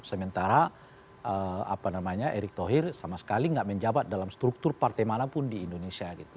sementara apa namanya erick tauhri sama sekali tidak menjabat dalam struktur partai mana pun di indonesia gitu